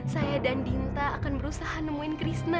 saya dan dinta akan berusaha menemukan krisna